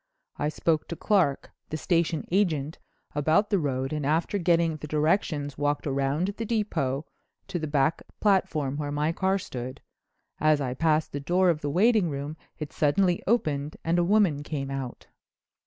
I spoke to Clark, the station agent, about the road, and, after getting the directions, walked round the depot to the back platform, where my car stood. As I passed the door of the waiting room it suddenly opened and a woman came out."